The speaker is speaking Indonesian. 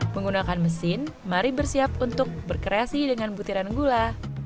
menggunakan mesin mari bersiap untuk berkreasi dengan butiran gula